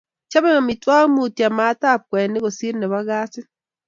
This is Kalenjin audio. Chobei amitwogik mutyo maatab kwenik kosir nebo kasit